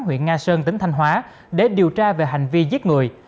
huyện nga sơn tỉnh thanh hóa để điều tra về hành vi giết người